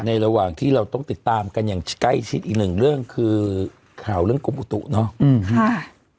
ระหว่างที่เราต้องติดตามกันอย่างใกล้ชิดอีกหนึ่งเรื่องคือข่าวเรื่องกรมอุตุเนาะ